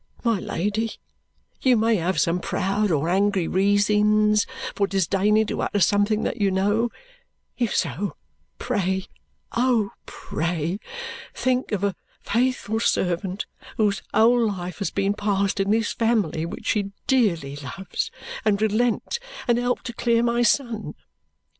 My Lady, you may have some proud or angry reasons for disdaining to utter something that you know; if so, pray, oh, pray, think of a faithful servant whose whole life has been passed in this family which she dearly loves, and relent, and help to clear my son!